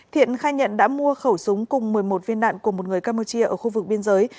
thiện khai nhận đã mua khẩu súng cùng một mươi một viên đạn của một người campuchia ở khu vực biên giới